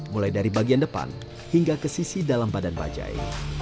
mulai dari bagian depan hingga ke sisi dalam badan bajai